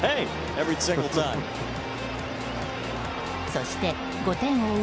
そして５点を追う